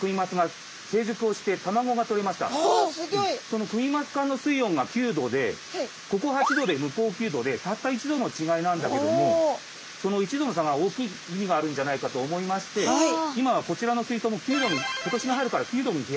そのクニマス館の水温が９℃でここ８℃で向こう９℃でたった１℃の違いなんだけどもその１℃の差が大きい意味があるんじゃないかと思いまして今はこちらの水槽も９℃に今年の春から９℃に。